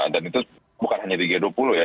itu bukan hanya di g dua puluh ya